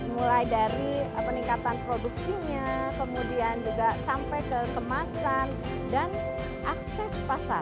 mulai dari peningkatan produksinya kemudian juga sampai ke kemasan dan akses pasar